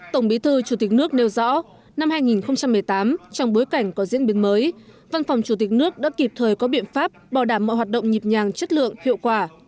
tổng bí thư chủ tịch nước nêu rõ năm hai nghìn một mươi tám trong bối cảnh có diễn biến mới văn phòng chủ tịch nước đã kịp thời có biện pháp bảo đảm mọi hoạt động nhịp nhàng chất lượng hiệu quả